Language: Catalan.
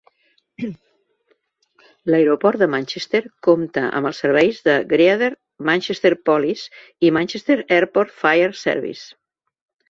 L"Aeroport de Manchester compta amb els serveis de Greater Manchester Police i Manchester Airport Fire Service.